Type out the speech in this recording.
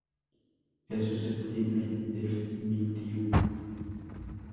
Es susceptible del mildiu.